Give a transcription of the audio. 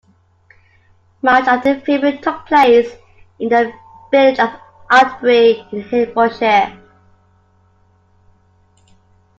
Much of the filming took place in the village of Aldbury in Hertfordshire.